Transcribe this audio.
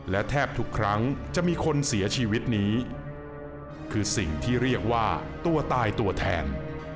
และแทบทุกครั้งจะมีคนเสียชีวิตนี้คือสิ่งที่เรียกว่าตัวตายตัวแทน